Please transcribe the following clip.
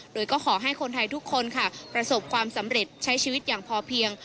โดยก็ขอให้คนไทยทุกคนค่ะประสบความสำเร็จใช้ชีวิตอย่างพอเพียง